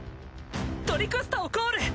トリクスタをコール！